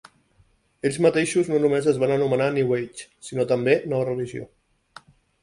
Ells mateixos no només es van anomenar "New Age" sinó també "nova religió".